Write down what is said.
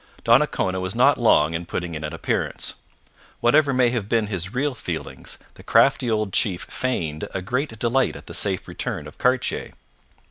Donnacona was not long in putting in an appearance. Whatever may have been his real feelings, the crafty old chief feigned a great delight at the safe return of Cartier.